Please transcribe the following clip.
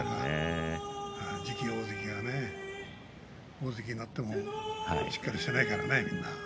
次期大関がね、大関になってもしっかりしてないからね。